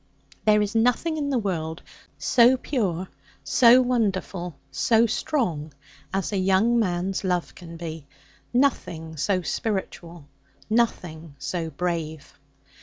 There is nothing in the world so pure, so wonderful, so strong, as a young man's love can be nothing so spiritual, nothing so brave.